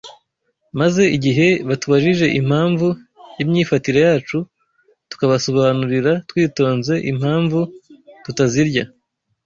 maze igihe batubajije impamvu y’imyifatire yacu, tukabasobanurira twitonze impamvu tutazirya